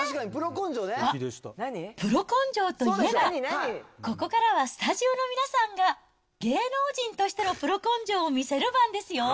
あっ、プロ根性といえば、ここからはスタジオの皆さんが、芸能人としてのプロ根性を見せる番ですよ。